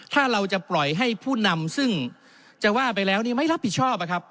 ถ้าเราจะปล่อยให้ผู้นำซึ่งจะว่าไปแล้วนี่ไม่รับผิดชอบ